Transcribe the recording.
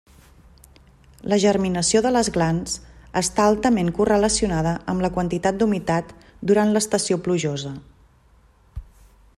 La germinació de les glans està altament correlacionada amb la quantitat d'humitat durant l'estació plujosa.